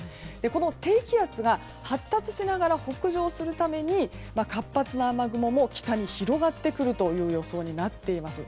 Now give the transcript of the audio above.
この低気圧が発達しながら北上するために活発な雨雲も北に広がってくるという予想になっています。